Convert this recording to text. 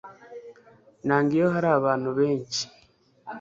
Nanga iyo hari abantu benshi.